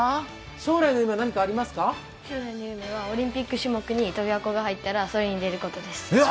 将来の夢はオリンピック種目に跳び箱が入ったらそれに出ることです。